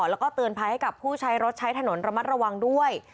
แล้วก็เตือนภัยให้กับผู้ใช้รถใช้ถนนระมัดระวังด้วย